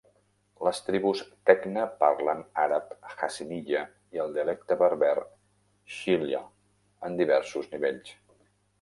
Les tribus Tekna parlen àrab Hassaniya i el dialecte berber Shilha en diversos nivells.